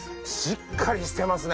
しっかりしてますね。